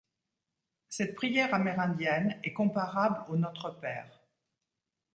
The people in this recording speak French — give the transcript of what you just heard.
Cette prière amérindienne est comparable au Notre Père.